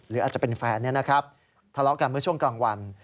หรืออาจจะเป็นแฟนทะเลาะกันเมื่อช่วงกลางวัน